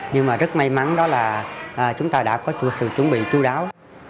nhưng mà rất may mắn đó là chúng ta đã có sự chuẩn bị chú đáo